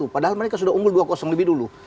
padahal mereka sudah unggul dua lebih dulu